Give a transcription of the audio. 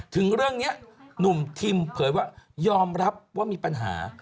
ถึงเรื่องนี้หนุ่มทิมเผยว่ายอมรับว่ามีปัญหา